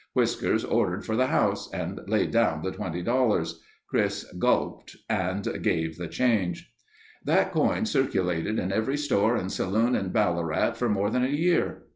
Whiskers ordered for the house and laid down the $20. Chris gulped and gave the change. That coin circulated in every store and saloon in Ballarat for more than a year.